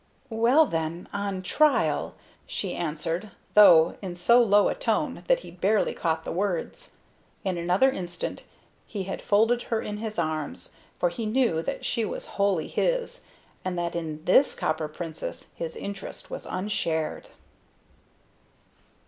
"Well, then, on trial," she answered, though in so low a tone that he barely caught the words. In another instant he had folded her in his arms, for he knew that she was wholly his, and that in this Copper Princess his interest was unshared.